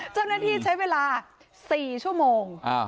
เจ้าหน้าที่ใช้เวลา๔ชั่วโมง